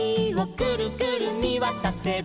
「くるくるみわたせば」